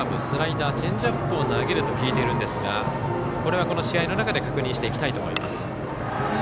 スライダーチェンジアップを投げると聞いているんですがこれはこの試合の中で確認していきたいと思います。